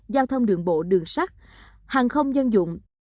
giao thông đường bộ đường sắt hàng không dân dụng